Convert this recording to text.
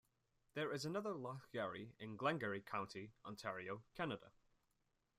There is another Loch Garry in Glengarry County, Ontario, Canada.